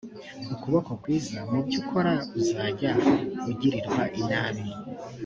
ukuboko kwiza mu byo ukora uzajya ugirirwa inabi